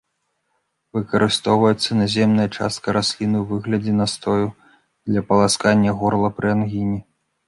Выкарыстоўваецца наземная частка расліны ў выглядзе настою для паласкання горла пры ангіне.